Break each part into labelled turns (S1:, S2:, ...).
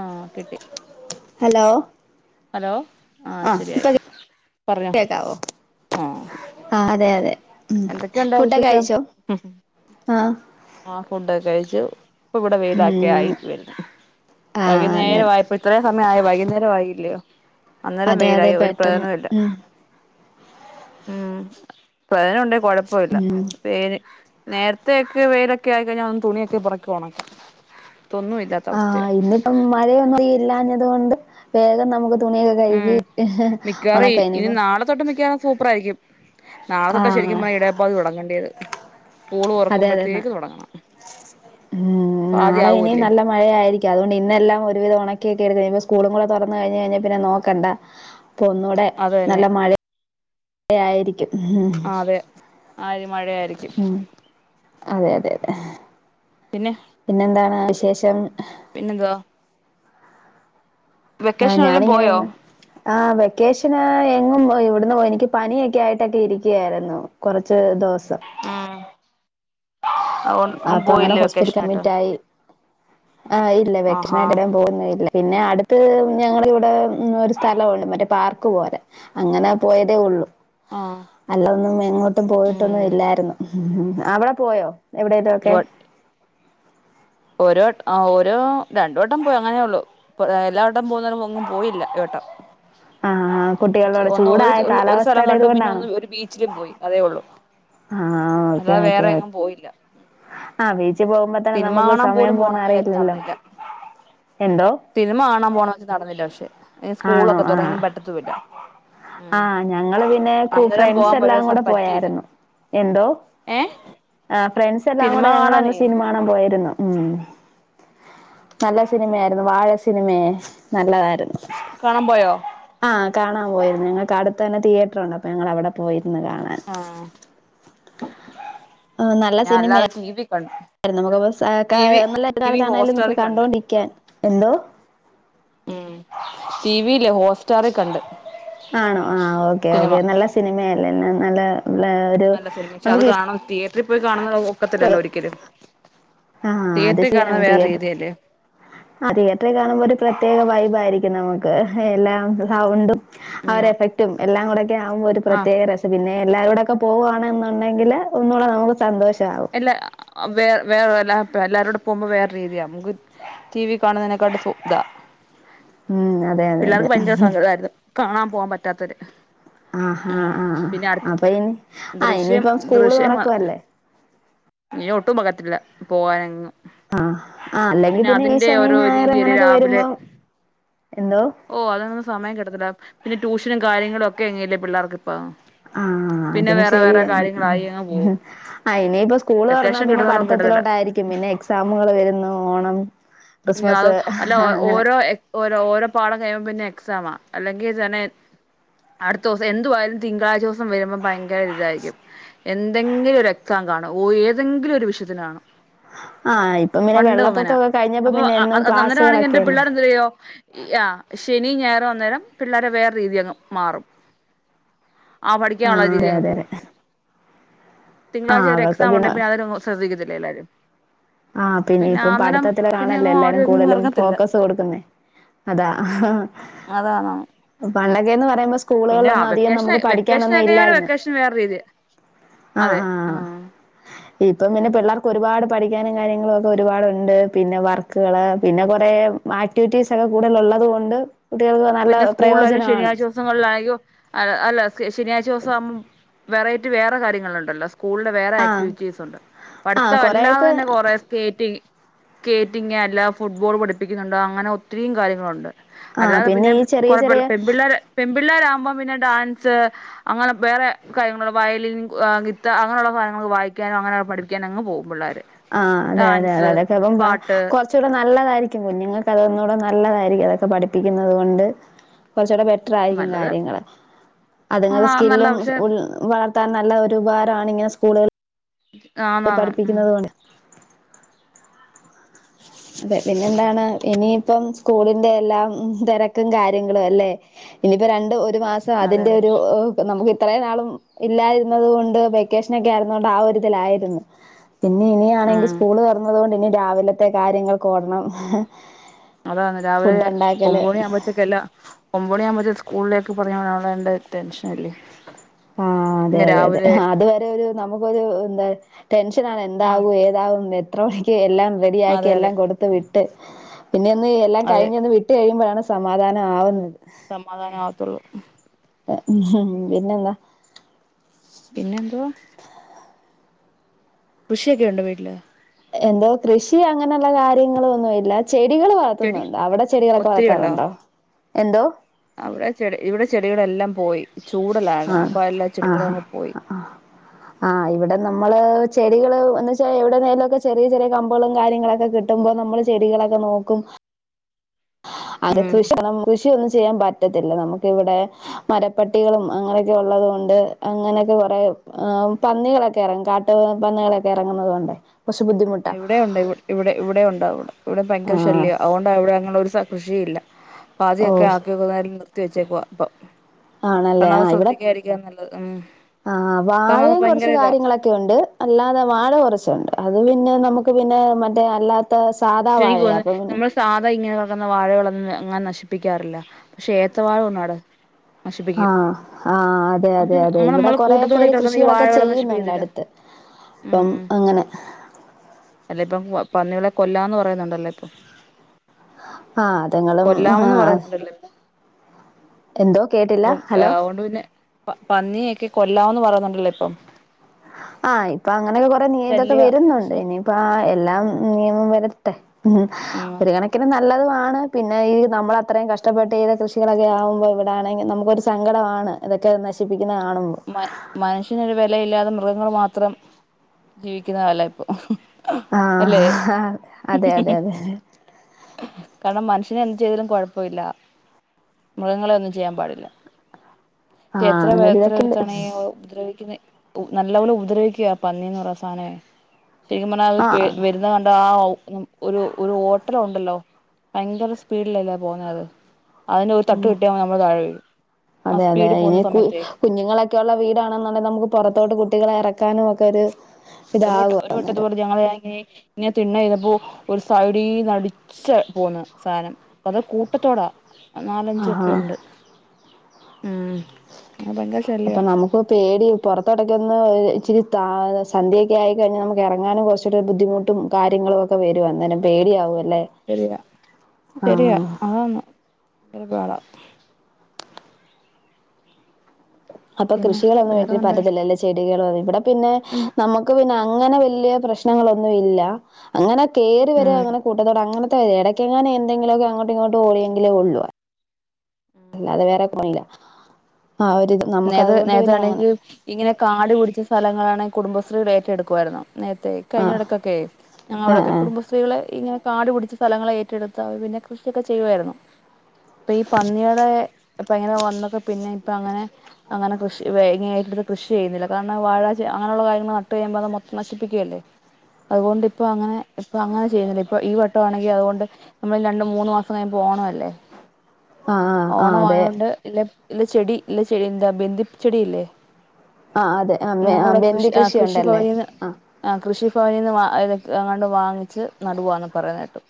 S1: ആഹ് കിട്ടി
S2: hello
S1: hello ആഹ്
S2: ആ
S1: ശരിയായി പറഞ്ഞോ ആഹ്
S2: ആഹ് അതെ അതെ ഉം
S1: എന്തൊക്കെയുണ്ട്
S2: ഫുഡൊക്കെ
S1: വിശേഷം
S2: കഴിച്ചോ ആഹ്
S1: ആഹ് ഫുഡൊക്കെ കഴിച്ചു പ്പവ്ടെ വെയിലൊക്കെ ആയി
S2: ഉം
S1: വരുന്നു
S2: ആ അതെ
S1: വൈകുന്നേര വായപ്പോയ് ഇത്രേം സമയ ആയി വൈകുന്നേരം ആയില്ലയോ അന്നേരം
S2: അതെ അതെ
S1: വെയിലായി ഒരു
S2: പെട്ടെന്ന്
S1: പ്രയോനവും ഇല്ല
S2: ഉം
S1: ഉം പ്രയോനം ഉണ്ടേ കൊഴപ്പൊ ഇല്ല വെയ്ല് നേരത്തെ ഒക്കെ വെയിലൊക്കെ ആയിക്കഴിഞ്ഞാ ഒന്ന് തുണിയൊക്കെ പെർക്കി ഒണക്ക ഇതൊന്നു ഇല്ല
S2: ആഹ് ഇന്നിപ്പം മഴയൊന്നും ഇല്ലാഞ്ഞത് കൊണ്ട് വേഗം നമുക്ക് തുണിയൊക്കെ കഴുകി
S1: ഉം മിക്കവാറും
S2: ഒണക്ക
S1: ഇനി
S2: ഇനിയിപ്പോ
S1: നാളെ തൊട്ട് മിക്കാവാറും സൂപ്പറായിരിക്കും നാളെ
S2: ആ
S1: തൊട്ട ശരിക്കും യെ ഇടവപ്പാതി തൊടങ്ങണ്ടിയേത് സ്കൂള്
S2: അതെ അതെ എന്നാ
S1: തൊറക്കുമ്പഴത്തേക്ക് തൊടങ്ങണം ഉം ഇപ്പ ആദ്യ ആവുവല്ലേ
S2: മഴയായിരിക്കാം അതുകൊണ്ട് ഇന്നെല്ലാം ഒരുവിധം ഒണക്കിറ്റെട്ക്ക്ണേണ് ഞ്പൊ സ്കൂളുംകൂടെ തൊറന്ന് കഴിഞ്ഞഴിഞ്ഞാ പിന്നെ നോക്കണ്ട അപ്പൊ ഒന്നൂടെ
S1: അത് തന്നെ
S2: നല്ല മഴ യായിരിക്കും
S1: ആഹ് അതെ ആ ഒര് മഴയായിരിക്കും
S2: ഉം അതെ അതെ അതെ
S1: പിന്നെ
S2: പിന്നെന്താണ് വിശേഷം
S1: പിന്നെന്താ
S2: ഹ്
S1: വെക്കേഷൻ എല്ലാം പോയോ
S2: ഞാനിങ്ങനെയൊന്ന് ആഹ് വെക്കേഷന് എങ്ങും ഇവ്ട്ന്ന് പോ എനിക്ക് പനിയൊക്കെ ആയിട്ടൊക്കെ ഇരിക്ക്യയായ്ര്ന്നു കുറച്ച് ദിവസം
S1: ഏ സൗ
S2: ആഹ് അപ്പൊ അങ്ങനെ ഹോസ്പിറ്റ് അഡ്മിറ്റ് ആയി ആഹ് ഇല്ല
S1: ആഹാ
S2: വെക്ഷണായിട്ട് എടേം പോയൊന്നും ഇല്ല പിന്നെ അട്ത്ത് ഞങ്ങളെ ഇവിടെ ഒരു സ്ഥലമവു ണ്ട് മറ്റേ പാർക്ക് പോലെ അങ്ങനെ പോയതേ ഉള്ളു
S1: ആഹ്
S2: അല്ല ഒന്നും എങ്ങ്ട്ടും പോയിട്ടൊന്നും ഇല്ലാരുന്നു അവടെ പോയോ എവിടേലും ഒക്കെ
S1: ഓരോ ആഹ് ഓരോ രണ്ട് വട്ടം പോയി അങ്ങനെ ഉള്ളു എല്ലാവട്ടം പോകുന്നാലും ഒങ്ങും പോയില്ല ഏട്ടം
S2: ആഹ് കുട്ടികളുടെ
S1: ഒന്ന് ഒരു
S2: ചൂടായ
S1: ഒരു സ്ഥലം
S2: കാലാവസ്ഥയുടെ
S1: കണ്ടു പിന്നെ
S2: ഇതുകൊണ്ടാണോ
S1: ഒന്ന് ഒരു ബീച്ചിലും പോയി അതേ ഉള്ളു
S2: ആഹ് ഓക്കെ ഓക്കെ
S1: പോയില്ല
S2: ആഹ് ബീച്ചി പോവുമ്പൊ തന
S1: സിനിമ
S2: നമുക്ക്
S1: കാണാൻ
S2: സമയം
S1: പോലും
S2: പോവ്ന്ന
S1: പോണംന്ന് വിചാരിച്ച്
S2: അറിയില്ലല്ലൊ
S1: നടന്നില്ല
S2: എന്തോ
S1: സിനിമ കാണാൻ പോണ വെച്ച നടന്നില്ല പക്ഷെ ഈ
S2: ആണോ
S1: സ്കൂളൊക്കെ
S2: ആഹ്
S1: തുടങ്ങിനും പറ്റത്തൂല്ല
S2: ആഹ് ഞങ്ങള് പിന്നെ കൂ ഫ്രൺസ്
S1: പ
S2: എല്ലാം കൂട
S1: പറ്റിയില്ല
S2: പോയാരുന്നു എന്തോ
S1: ഏ
S2: ആഹ് ഫ്രൺസ് എല്ലാം
S1: സിനിമ
S2: കൂടെ ഞങ്ങളന്ന്
S1: കാണാനേ
S2: സിനിമ കാണാൻ പോയിരുന്നു ഉം നല്ല സിനിമയായിരുന്നു വാഴ സിനിമേ നല്ലതായിരുന്നു
S1: കാണാ പോയോ
S2: ആഹ് കാണാ പോയിരുന്നു ഞങ്ങക്ക് അടുത്തെന്നെ തിയേട്ട്രുണ്ട് അപ്പൊ ഞങ്ങളവ്ടെ പോയിരുന്നു കാണാൻ
S1: ആഹ്
S2: നല്ല
S1: ഞാ
S2: സിനിമയായിരുന്നു
S1: എല്ലാതും തീപിക്കണ്ട
S2: [unintelligible] നമുക്ക്
S1: ഹോട്ട്സ്റ്റാറിൽ കണ്ട്
S2: കണ്ടോണ്ടിരിക്കാൻ എന്തോ
S1: ഉം ട്ടീവീല് ഹോസ്റ്റാറി കണ്ട്
S2: ആണോ ആഹ് ഓക്കെ
S1: സിനിമ
S2: ഓക്കെ നല്ല സിനിമയല്ലെ നല്ല ഒരു
S1: നല്ല സിനിമ
S2: നമുക്ക്
S1: [unintelligible]
S2: ഇഷ്
S1: പോയി കാണുന്നത് ഒക്കത്തില്ലല്ലൊ ഒരിക്കലും
S2: ആഹ് അത്
S1: തീയേറ്റ്രി കാണുന്നെ
S2: ശരിയാണ്
S1: വേറെ
S2: തിയേറ്റർ
S1: രീതിയല്ലെ
S2: ആഹ് തിയേറ്റ്ര കാണുമ്പൊ ഒരു പ്രത്യേക വൈബായിരിക്കും നമുക്ക് എല്ലാം സൗണ്ടും ആഹ് ഒരഫെക്റ്റും എല്ലാം കൂടെ ഒക്കെ ആവുമ്പൊ ഒരു
S1: ആഹ്
S2: പ്രത്യേക രസ പിന്നെ എല്ലാരൂടൊക്കെ പോവാണ് ന്നുണ്ടെങ്കില് ഒന്നൂടെ നമുക്ക് സന്തോഷാവും
S1: ല്ല വേ വേറെല്ല പ എല്ലാരൂടെ പോവുമ്പൊ വേറെ രീതിയ ടി വി കാണുന്നതിനെക്കാട്ടി സുഖ
S2: ഉം അതെ, അതെ, അതെ.
S1: പിള്ളാർക്ക് ഭയങ്കര സങ്കടായ്ര്ന്ന് കാണാ പോവാ പറ്റാത്തൊര്
S2: ആഹാ
S1: ഉം
S2: ആഹ്.
S1: പിന്നെ അട്ത്ത്
S2: അപ്പൊ ഇനി ആഹ്
S1: ദൃശ്യം
S2: ഇനിയിപ്പം സ്കൂള്
S1: ദൃശ്യം അ
S2: തുറക്കുവല്ലേ?
S1: ഇനി ഒട്ടും പകത്തില്ല പോകാനെങ്ങും
S2: ആഹ് ആഹ് അല്ലെങ്കി പിന്നെ ഈ
S1: അതിന്റെ
S2: ശനിം
S1: ഓരോ
S2: ഞായറും
S1: രീതിയല്ലേ
S2: അങ്ങനൊക്ക വെര്മ്പൊ എന്തോ
S1: ഓഹ് അതൊന്നും സമയം കിട്ടത്തില്ല പിന്ന ട്യൂഷനും കാര്യങ്ങളൊക്കെ അങ്ങല്ലെ പിള്ളാർക്ക് ഇപ്പൊ
S2: ആഹ് അതും ശരിയാ
S1: അങ്ങ് പോകും
S2: ഐനിപ്പൊ സ്കൂളൊർന്നാ
S1: വെക്കേഷൻ
S2: പിന്നെ
S1: കിട്ടുന്നോടം കിട്ടത്തില്ല
S2: പഠിത്തത്തിലോട്ടായിരിക്കും പിന്നെ എക്സാമുകള് വരുന്നു ഓണം ക്രിസ്മസ്
S1: അല്ല
S2: അങ്ങനെ
S1: ഓരോ ഓ ഓരോ പാഠം കഴിയുമ്പോ പിന്നെ എക്സാമ അല്ലെങ്കി തന്നെ അടുത്തോസം എന്തുവായാലും തിങ്കളാഴ്ചോസം വരുമ്പൊ ഭയ ങ്കര ഇതായിരിക്കും എന്തെങ്കിലൊരു എക്സാം കാണും ഏതെങ്കിലൊരു വിഷയത്തില് കാണും
S2: ആഹ് ഇപ്പൊ ഇങ്ങനെ
S1: പണ്ടും
S2: വെള്ളപ്പൊക്കൊ
S1: അങ്ങനാ അപ്പൊ അന്നെരാണെങ്കി എന്റെ പിള്ളാരെ എന്തിരീയ്യൊ ആഹ് ശനിം ഞായറും അന്നെരം പിള്ളാരെ വേറെ രീതിയങ്ങ് മാറും ആഹ് പഠിക്കാള്ള രീതി
S2: അതെ
S1: അങ്
S2: അതെ
S1: പോവും
S2: അതെ
S1: തിങ്കളാഴ്ച
S2: ആഹ്
S1: ഒരു
S2: അവർക്ക്
S1: എക്സാമുണ്ട് പിന്നെ അതെരെ ശ്രദ്ധിക്കത്തില്ല എല്ലാരും
S2: ആഹ് പിന്നെ ഇപ്പം
S1: അന്നേരം
S2: പഠിത്തത്തില്
S1: പിന്നെ
S2: കാണല്ലെ
S1: അങ്ങും
S2: എല്ലാരും
S1: ആരും എങ്ങും
S2: കൂടുതലും
S1: ഇറങ്ങത്തില്ല
S2: ഫോക്കസ് കൊടുക്കുന്നേ അതാ
S1: അതാണ്
S2: പണ്ടൊക്കേന്ന് പറയുമ്പൊ
S1: പിന്നെ
S2: സ്കൂളുകളിലൊന്നു അധികം
S1: വെക്കേഷൻ
S2: നമ്മക്ക്
S1: വെക്കേഷൻ ആയി
S2: പഠിക്കാനൊന്നും
S1: കഴിഞ്ഞാ പിന്നെ
S2: ഇല്ലാരുന്നു
S1: വെക്കേഷൻ വേറെ രീതിയ അതെ ആഹ്
S2: ഇപ്പം പിന്നെ പിള്ളാർക്ക് ഒരുപാട് പഠി ക്കാനും കാര്യങ്ങളൊക്കെ ഒരുപാടുണ്ട് പിന്നെ വർക്ക്കള് പിന്നെ കൊറേ ആക്ടിവിറ്റീസ് ഒക്കെ കൂട്തല് ഒള്ളത് കൊണ്ട് കുട്ട്യൾക്ക് നല്ല പ്രയോജനാണ്
S1: ദിവസങ്ങൾളായിക്കും അല്ല ശനിയാഴ്ച്ച ദിവസം ആ വെറൈറ്റി വേറെ കാര്യങ്ങള്ണ്ടല്ലോ സ്കൂള്ള് വേറെ
S2: ആഹ്
S1: ആക്ടിവിറ്റീസുണ്ട്
S2: ആഹ്
S1: പഠിത്തം
S2: കൊറെയൊക്കെ
S1: അല്ലാതന്നെ കൊറേ സ്കേറ്റിങ്ങ് കേറ്റിംഗ് അല്ല ഫുട്ബോള് പഠിപ്പിക്കുന്നുണ്ടോ അങ്ങനെ ഒത്തിരി കാര്യങ്ങളുണ്ട്
S2: ആഹ്
S1: അല്ലാതെ
S2: പി
S1: പിന്നെ കൊഴപ്പല്ല പെമ്പിള്ളേ പെമ്പിള്ളേരാവുമ്പോ പിന്നെ ഡാൻസ് അങ്ങനെ വേറെ കാര്യങ്ങള് വയലിൻ ഗിത്ത അങ്ങനെള്ള കാര്യങ്ങള് വായിക്കാനും അങ്ങനെ പഠി ക്ക്യാനങ്ങ് പോവും പിള്ളേര്
S2: ആഹ് അതെ അതെ അതെ
S1: ഡാൻസ്
S2: അതൊക്കെ അപ്പ
S1: പാട്ട്
S2: കൊർ ച്ചൂടെ നല്ലതായിരിക്കും കുഞ്ഞുങ്ങക്ക് അതൊന്നൂടെ നല്ലതായിരിക്കും അതൊക്കെ പഠിപ്പിക്കുന്നത് കൊണ്ട് കൊർച്ചൂടെ ബെറ്റ്റായിരിക്കും
S1: നല്ലത്
S2: കാര്യങ്ങള് അത്ങ്ങക്ക്
S1: കാണാൻ നല്ല
S2: സ്കില്ലും
S1: പക്ഷെ
S2: വ ളർത്താൻ നല്ല ഒരു ഉപകാരാണ് ഇങ്ങനെ സ്കൂളുകൾ അത്
S1: ആന്നാന്ന് ഉം
S2: പഠിപ്പിക്കുന്നത് കൊണ്ട് അതെ പിന്നെ എന്താണ് ഇനിയിപ്പം സ്കൂളിന്റെ എല്ലാം തെരക്കും കാര്യങ്ങളും അല്ലെ ഇനിയിപ്പോ രണ്ട് ഒരു മാസം
S1: അതെ
S2: അതിന്റെ
S1: അതെ
S2: ഒരു ഇപ്പൊ നമുക്ക് ഇത്രേം നാളും ഇല്ലായിരുന്നത് കൊണ്ട് വെക്കേഷനൊക്കെ ആയിരുന്നോണ്ട് ആ ഒരിതിലായിരുന്നു പിന്നെ ഇനിയാണെങ്കി
S1: ഉം
S2: സ്കൂള് തൊറന്നതോണ്ട് ഇനി രാവിലെത്തെ കാര്യങ്ങൾക് ഓടണം
S1: അതാണ് രാവിലെ
S2: ഫുഡ് ഉണ്ടാക്കല്
S1: ഒമ്പോണി ആവുമ്പോത്തേക്കെല്ലാം ഒബാത് മണിയമ്പോ സ്കൂളിലേക്ക് പറഞ് വിടണ്ടേ ടെൻഷൻ ഇല്ലേ
S2: ആഹ് അതെ അതെ അതെ അതുവരെ ഒരു നമുക്കൊരു എന്താ ടെൻഷനാണ്
S1: ആഹ്
S2: എന്താകു എ എത്ര മണിക്ക് എല്ലാം റെഡിയ ആക്കി
S1: അതെ അതെ
S2: എല്ലാം കൊടുത്ത് വിട്ട് പിന്നെ ഒന്ന് എല്ലാം
S1: അതെ
S2: കഴിഞ്ഞൊന്ന് കട്ട കഴിയുമ്പോഴാണ് സമാധാനം ആവുന്നത്
S1: സമാധാനം ആവത്തുള്ളൂ
S2: പിന്നെന്താ
S1: പിന്നെ എന്തുവാ കൃഷിയൊക്കെ ഉണ്ടോ വീട്ടില്
S2: എന്തോ കൃഷി അങ്ങനെള്ള കാര്യങ്ങൾ ഒന്നു ഇല്ല ചെടികൾ വ
S1: ചെടി
S2: അവിടെ ചെടികളൊക്കെ
S1: ഒത്തിരി ഉണ്ടോ
S2: വളർത്താറുണ്ടോ എന്തോ
S1: അവിടെ ഇവിടെ ചെടികളെല്ലാം പോയി ചൂടാല്ലേ
S2: ആഹ്
S1: അപ്പ എല്ലാ ചെടികളും
S2: ആഹാ
S1: അങ്ങ് പോയി
S2: ആഹ്
S1: [unintelligible]
S2: ആഹ് ഇവിടെ നമ്മള് ചെടികള് എന്ന് വെച്ചാൽ എവിടുന്നേലും ഒക്കെ ചെറിയ ചെറിയ കമ്പളും കാര്യങ്ങളൊക്കെ കി ട്ട്മ്പ നമ്മള് ചെടികളൊക്കെ നോക്കും അത്
S1: ഉം
S2: കൃഷി കൃഷിയൊന്നും ചെയ്യാൻ പറ്റത്തില്ല നമക്ക് ഇവടെ മരപ്പട്ടികളും അങ്ങനെയൊക്കെ ഉള്ളതു കൊണ്ട് അങ്ങനെയൊക്കെ കുറെ പന്നികളൊക്കെ ഇറങ്ങ കാ ട്ട് പന്നികളൊക്കെ ഇറങ്ങുന്നത് കൊണ്ട് കൊർച്ച്‌ ബുദ്ധിമു
S1: ഇവിടെ ഒണ്ട് ഇവിടെ ഇവിടെ ഉണ്ടാവാ ഇവിടെ ഇവിടെ ഭയങ്കര
S2: ആഹ്
S1: ശല്യാ അതോണ്ടാ ഇവിടെ ഞങ്ങള് ഒരു കൃഷിയില്ല പാതിയൊക്കെ
S2: ഓഹ്
S1: ആക്കിന്നൽ നിർത്തി വെച്ചേക്ക അപ്പൊ
S2: ആണല്ലേ
S1: കണ്ണാതെ ശ്രദ്ധിക്കായിരിക്കും കെയാ നല്ലത് ഉം
S2: ആഹ്
S1: കാരണം അത്
S2: വാഴയും കുറച്ചു
S1: ഭയങ്കര ഇതാ
S2: കാര്യങ്ങള അല്ലാതെ വാഴ കുറച്ചുണ്ട് അത് പിന്നെ നമുക്ക് പിന്നെ മറ്റേ അല്ലാ [unintelligible]
S1: [unintelligible] തോന്ന് നമ്മൾ സാധാ ഇങ്ങനെ വെക്കുന്ന വാഴകളൊന്നും അങ്ങനെ നശിപ്പിക്കാറില്ല പക്ഷേ ഏത്ത വാഴ വന്നു അവിടെ
S2: ആഹ് ആഹ് അതെ
S1: പക്ഷെ
S2: അതെ അതെ
S1: നമ്മൾ
S2: ഇവിടെ
S1: നമ്മളെ
S2: കുറേ
S1: കൂട്ടത്തോടെ
S2: പേര്
S1: കിടക്കുന്ന ഈ
S2: കൃഷികളൊക്കെ
S1: വാഴകളെ
S2: ചെയ്യുന്നുണ്ട്
S1: നശിപ്പിക്കത്തില്ല
S2: അടുത്ത് ഇപ്പം
S1: ഉം
S2: അങ്ങനെ
S1: അല്ല ഇപ്പം പന്നികളെ കൊല്ലാന്ന് പറയുന്നുണ്ടല്ലേ ഇപ്പൊ
S2: ആ അതുങ്ങളും ആ
S1: കൊല്ലാമന്ന് പറയുന്നുണ്ടല്ലോ
S2: എന്തോ കേട്ടില്ല
S1: അപ്പം
S2: ഹലോ
S1: അഓണ്ട് പിന്നെ പന്നിയൊക്കെ കൊല്ലാം എന്ന് പറയുന്നുണ്ടല്ലോ ഇപ്പം.
S2: ആഹ ഇപ്പൊ അങ്ങനെയൊക്കെ കൊറെ ഇതൊക്കെ
S1: ശല്യ
S2: വരുന്നുണ്ട് ഇനി ഇപ്പോ എല്ലാം നിയമം
S1: ഉം
S2: ഒരു കണക്കിന് നല്ല നല്ലതുമാണ് പിന്നെ ഈ നമ്മൾ അത്രയും കഷ്ടപ്പെട്ട് കൃഷികളൊക്കെ ആകുമ്പോൾ ഇവിടെ ആണെങ്കിൽ നമുക്കൊരു സങ്കടമാണ്. ഇതൊക്കെ നശിപ്പിക്കുന്ന കാണുമ്പോൾ.
S1: മനുഷ്യന് ഒരു വിലയില്ലാതെ മൃഗങ്ങൾ മാത്രം ജീവിക്കുന്ന കാല ഇപ്പൊ
S2: ആ
S1: അല്ലെ
S2: അതെ അതെ അതെ
S1: കാരണം മനുഷ്യന് എന്തു ചെയ്താലും കൊഴപ്പമില്ല. മൃഗങ്ങളെ ഒന്നും ചെയ്യാൻ പാടില്ല
S2: ആഹ്
S1: എത്ര
S2: അങ്ങനൊരു ഇതൊക്കെ ഉണ്ട്
S1: അടുത്താണ് ഈ ഉപദ്രവിക്കുന്ന നല്ല പോലെ ഉപദ്രവിക്കുക പന്നി എന്ന് പറഞ്ഞ സാധനം ശരിക്കും പറഞ്ഞൽ
S2: ആഹ്
S1: അത് വരുന്നത് കണ്ട ഒരു ഒരു ഓട്ടലോ ഉണ്ടല്ലോ ഭയങ്കര സ്പീഡിലല്ലേ പോന്നത് അത്. അതിന് ഒരു തട്ട് കിട്ടിയാമതി നമ്മൾ താഴെ വീഴും ആ സ്പീഡ് പോകുന്ന സമയത്തേ.
S2: കുഞ്ഞുങ്ങൾ ഒക്കെയുള്ള വീടാണ് എന്നുണ്ടെങ്കിൽ നമുക്ക് പുറത്തോട്ട് കുട്ടികളെ ഇറക്കാനും ഒക്കെ ഒര്
S1: ഒരു വട്ട ഒരു വട്ടം ഇതുപോലെ ഇങ്ങനെ തിണ്ണൽ ഇരുന്നപ്പോ ഒരു സൈഡിയിന്ന് പോന്ന് സാധനം അത് കൂട്ടത്തോടാ നാലഞ്ചൊക്കെ
S2: ആഹ്
S1: ഉണ്ട് ഉ ആ ഭയങ്കാ ശല്യ.
S2: ഇപ്പോൾ പേടി പുറത്ത് ഇടയ്ക്കൊന്ന് ഇച്ചിരി സന്ധ്യൊക്കെ ആയിക്കഴിഞ്ഞാൽ നമുക്ക് ഇറങ്ങാനും കുറച്ച് ബുദ്ധിമുട്ടും. കാര്യങ്ങളു ഒക്കെ വരും അന്നേരം. പേടിയാവുമല്ലേ
S1: ശരിയാ ശരിയാ
S2: ആഹ്
S1: അതാണ് എന്തൊരു പാടാ
S2: അപ്പൊ
S1: പിന്നെ
S2: കൃഷികളൊന്നും വേണ്ടിയിട്ട്
S1: വേറെന്താ
S2: പറ്റത്തില്ലല്ലേ ചെടികളും അത് ഇവിട പിന്നെ
S1: ഉം
S2: നമുക്ക് പിന്നെ അങ്ങനെ വല്യ പ്രശ്നങ്ങളൊന്നും ഇല്ല അങ്ങനെ കേറി വര്കാ
S1: ഉം
S2: അങ്ങനെ കൂട്ടത്തോടെ അങ്ങനത് ട്ടത് എടയ്ക്കങ്ങാന് എന്തെങ്കിലൊക്കെ അങ്ങോട്ടു ഇങ്ങോട്ടു ഓടിയെങ്കിലേ ഒള്ളൂ. അല്ലാതെ വേറെ പോണില്ല ആ ഒരു ഇത് നമുക്ക്
S1: നേത്
S2: അതുകൊണ്ട് പിന്നെ അങ്ങനെ
S1: നേരത്താണെങ്കിൽ ഇങ്ങനെ കാട് പിടിച്ച സ്ഥലങ്ങളാണ് കുടുംബശ്രീകൾ ഏറ്റെടുക്കുമായിരുന്നു നേരത്തെ കഴിഞ്ഞ
S2: ആഹ്
S1: എടക്കക്കെ
S2: ആഹ്
S1: ഞങ്ങളവിടെക്കെ
S2: ആഹ്
S1: കുടുംബ സ് സ്ത്രീകളെ ഇങ്ങനെ കാട് പിടിച്ച സ്ഥലങ്ങളെ ഏറ്റെടുത്ത് അവര് പിന്നെ കൃഷിയൊക്കെ ചെയ്യു ആയിരുന്നു. ഇപ്പ ഈ പന്നിയേളെ ഇപ്പ ഇങ്ങനെ വന്നൊക്കെ പിന്നെ ഇപ്പൊ അങ്ങനെ അങ്ങന കൃഷി വേ ഇങ്ങന ഏറ്റെടുത്ത് കൃഷി ചെയ്യുന്നില്ല കാരണം വാഴ ചേ അങ്ങന ഒള്ള കാര്യങ്ങള് നട്ട് കഴിയമ്പ അത് മൊത്ത് നശിപ്പിക്കുകയല്ലേ അതുകൊണ്ട് ഇപ്പ അങ്ങനെ ഇപ്പ അങ്ങനെ ചെയ്യുന്നില്ല ഇപ്പൊ ഈ വട്ടം ആണെങ്കി അതുകൊണ്ട്. നമ്മളില് രണ്ട് മൂന്ന് മാസം കഴിയുമ്പോ ഓണം അല്ലേ
S2: ആഹ് ആഹ് ആഹ്
S1: ഓണം
S2: അതെ
S1: ആയതൊണ്ട് ഇല്ല ഇല്ല ചെടി ഇല്ല ചെടി എന്താ ബിന്ദി ചെടി ഇല്ലേ?
S2: ആഹ് അതെ ആ
S1: ഞങ്ങളിവിടെ കൃഷി
S2: ബെന്തി
S1: ആഹ് കൃഷി
S2: കൃഷിയുണ്ടല്ലേ
S1: ഭവനീന്ന്.
S2: ആ
S1: ആഹ് കൃഷിഭവനീന്ന് വാ ഇത് അങ്ങണ്ട് വാങ്ങിച്ച് നടുവാന്ന് പറയുന്ന കേട്ടു.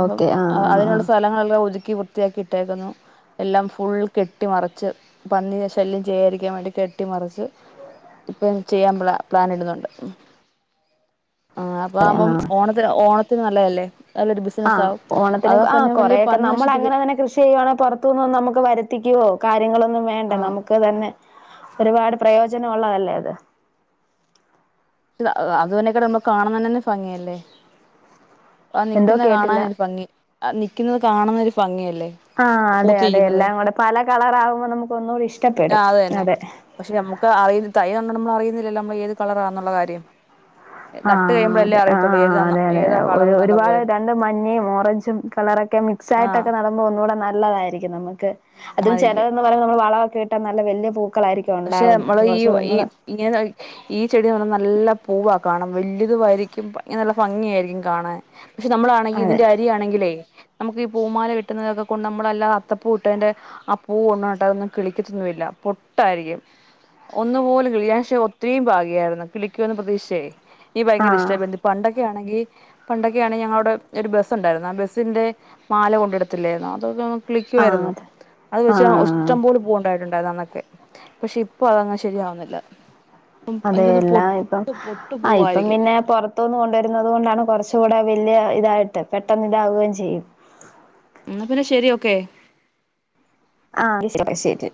S1: അപ്പം അത്
S2: ആഹ്
S1: അതിനുള്ള സ്ഥലങ്ങളെല്ലാം ഒതുക്കി വൃത്തിയാക്കി ഇട്ടേക്കുന്നു. എല്ലാം ഫുൾ കെട്ടി മറ ച്ച് പന്നീ ശല്യം ചെയ്യാതിരിക്കാൻ വേണ്ടി കെട്ടിമറച്ച്. ഇപ്പൊ പ്ലൻ ഇടുന്നുണ്ട്. ആഹ് അപ്പ ആവുമ്പം ഓണത്തിന് ഓണത്തിന് നല്ലതല്ലേ. നല്ലൊരു
S2: ആഹ്
S1: ബിസിനസ്സാവും
S2: ഓണത്തിന് ആഹ്
S1: അതേപോലെ വലിയ
S2: കൊറേക്കെ
S1: പന്നി
S2: നമ്മള് അങ്ങനെ
S1: നശിപ്പിക്കുക
S2: അങ്ങനെ കൃഷി ചെയ്യുവാണെ പൊറത്തു നിന്നു വന്ന നമ്മക്ക് വരുത്തി ക്കിയോ കാര്യങ്ങളൊന്നും വേണ്ട
S1: ആ
S2: നമുക്ക് ക്ക തന്നെ ഒരുപാട് പ്രയോജനം ഒള്ളതല്ലേ അത്.
S1: ട്ട്താ അത് അത് തന്നെക്കെട് നമ്മക്ക് കാണ്ന്ന തന്നെന്നെ ഭംഗിയല്ലേ അത്
S2: എന്തോ
S1: നിക്കുന്നത് കാണാൻ
S2: കേട്ടില്ല
S1: ഒരു ഭംഗി അ നിക്കുന്നത് കാണുന്ന ഒരു ഭംഗിയെ
S2: ആഹ് അതെ അതെ എല്ലാം കൂടെ പല കളർ ആകുമ്പൊ നമുക്ക് ഒന്നൂടി
S1: ആ
S2: ഇഷ്ടപ്പെടും.
S1: അത് തന്നെ
S2: അതെ
S1: പക്ഷെ നമ്മുക്ക് അറിയ് തൈ കണ്ടിട്ട് നമ്മള് അറിയുന്നില്ലല്ലോ നമ്മള് ഏത് കളറാന്നുള്ള കാര്യം. നട്ട്
S2: ആഹ്
S1: കഴിയുമ്പോഴല്ലേ
S2: അതെ ആഹ്
S1: അറിയത്തുള്ളൂ
S2: ആഹ് ആഹ്
S1: ഏതാ
S2: അതെ അതെ
S1: ഏതാ
S2: ഒരു
S1: കളർന്നുള്ള
S2: ഒരുപാട്
S1: പോലും
S2: രണ്ട് മഞ്ഞയും ഓറഞ്ചും കളറൊക്കെ മിക്
S1: ആഹ്
S2: സായിട്ടൊക്കെ നടും മ്പോ ഒന്നൂടെ നല്ലതായിരിക്കും നമ്മ്ക്ക് അതും
S1: ആയിരിക്കും
S2: ചെറ്തെന്ന് പറയുമ്പ നമ്മള് വളമൊക്കെ ഇട്ടാ നല്ല വല്യ പൂക്കളാരിക്കും
S1: പക്ഷെ നമ്മള് ഈ ഈ ഇങ്ങനെ ഈ ചെടി ന്ന് പറഞ്ഞാ നല്ല പൂവാ കാണാം വലുതു ആയിരിക്കും [unintelligible] നല്ല ഭംഗിയായിരിക്കും കാണാൻ പക്ഷെ നമ്മളാണെങ്കി
S2: അതെ
S1: ഇതിന്റെ അരിയാണെങ്കിലേ നമുക്ക് ഈ പൂമാല കിട്ടുന്നതൊക്ക കൊണ്ട് നമ്മള് അല്ലാ അത്തപ്പൂ ഇട്ടതിൻ്റെ ആ പൂവ് ഒന്ന് നട്ടതൊന്നും [unintelligible] ഇല്ലാ പൊ ട്ടായിരിക്കും ഒന്നുപോലും കിളിയാശെ ഒത്ത്‌രീം ഭാഗിയായ്ര്ന്നു കിളിക്കോന്ന് പ്രതീക്ഷിച്ചേ ഈ ഭയങ്കര
S2: ആഹ്
S1: ഇഷ്ടാ ഈ ബന്തി പണ്ടൊക്കെ ആണെങ്കി പണ്ടൊക്കെ ആണെങ്കി ഞങ്ങളവിടെ ഒരു ബസ് ഒണ്ടാരുന്നു ആ ബസ്സിന്റെ മാല കൊണ്ടിടത്തില്ലായിരുന്നോ അതൊക്കെ ആണ് കിളിക്കു
S2: ആഹ്
S1: ആയിരുന്നു
S2: അതെ
S1: അത് വെച്ച്
S2: ആഹ്
S1: ഇഷ്ടം പോലെ പൂവൊണ്ടായിട്ടുണ്ട് അന്നക്കെ പക്ഷെ ഇപ്പൊ അതങ്ങ് ശരിയാവുന്നില്ല
S2: അതെ
S1: എനിക്കൊന്ന്
S2: എല്ലാം ഇപ്പം
S1: പൊട്ട് പൊട്ട്
S2: ആഹ് ഇപ്പം
S1: പൂവായിരിക്കും
S2: പിന്നെ പൊറത്ത് ത്തുന്ന് കൊണ്ടുവരുന്നുന്നത് കൊണ്ടാണ് കൊറച്ച് കൂടെ വലിയ ഇതായിട്ട് പെട്ടെന്ന് ഇതാവുകയും ചെയ്യും
S1: ന്നാ പിന്നെ ശെരി ഓക്കെ
S2: ആഹ് ശരി ശരി